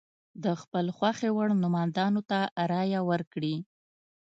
د خپل خوښې وړ نوماندانو ته رایه ورکړي.